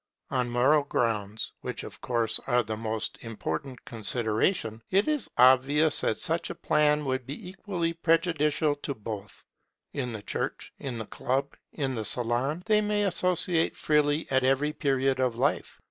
On moral grounds, which of course are the most important consideration, it is obvious that such a plan would be equally prejudicial to both. In the church, in the club, in the salon, they may associate freely at every period of life.